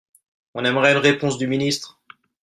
On aimerait une réponse du ministre